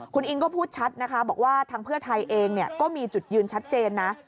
คุณอิงก็พูดชัดนะคะบอกว่าทางเพื่อไทยเองก็มีจุดยืนชัดเจนนะ